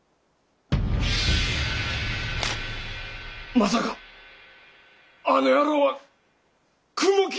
まさかあの野郎は雲霧の。